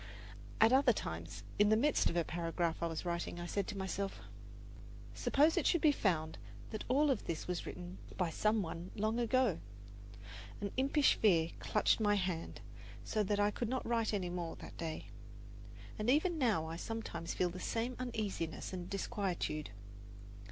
At other times, in the midst of a paragraph I was writing, I said to myself, "Suppose it should be found that all this was written by some one long ago!" An impish fear clutched my hand, so that I could not write any more that day. And even now I sometimes feel the same uneasiness and disquietude.